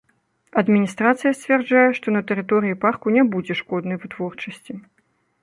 Адміністрацыя сцвярджае, што на тэрыторыі парку не будзе шкоднай вытворчасці.